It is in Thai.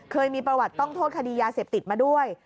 เคยมีประวัติต้องโทษคดียาเสพติดมาด้วย